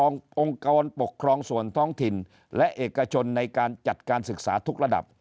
องค์กรปกครองส่วนท้องถิ่นและเอกชนในการจัดการศึกษาทุกระดับ